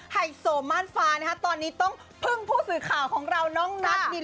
ไฮโซม่านฟ้านะคะตอนนี้ต้องพึ่งผู้สื่อข่าวของเราน้องนัทนิน